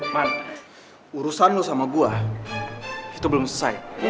man urusan lo sama gue itu belum selesai